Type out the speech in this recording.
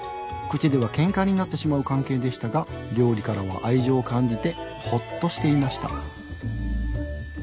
口ではけんかになってしまう関係でしたが料理からは愛情を感じてほっとしていました。